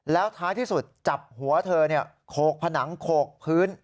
แล้วท้ายที่สุดจับหัวเธอโขกผนังโขกพื้น